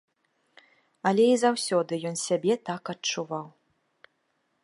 Але і заўсёды ён сябе так адчуваў.